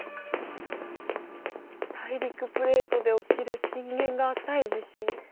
大陸プレートで起きる震源が浅い地震。